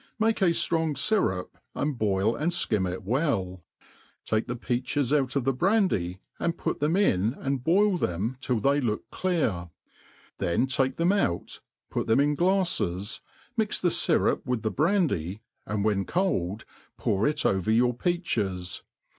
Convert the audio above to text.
Make a ftrong fyrup^ and boil and ftum it well ; take the peaches out of the brandy, and put them in and boil them till they look clear ; then Hiee them out, put them in gUfles, mix the fyrup with the brandy, and when cold pour it over your peaches.